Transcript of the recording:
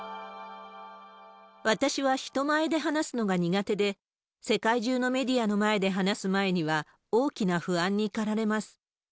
私は人前で話すのが苦手で、世界中のメディアの前で話す前には、大きな不安に駆られます。